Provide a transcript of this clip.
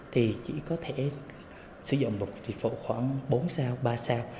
thì chỉ có thể sử dụng dịch vụ khoảng bốn sao ba sao